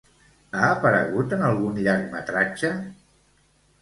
Ha aparegut en algun llargmetratge?